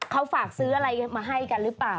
เขาฝากซื้ออะไรมาให้กันหรือเปล่า